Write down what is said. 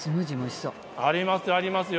あります、ありますよ。